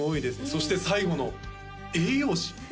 そして最後の栄養士？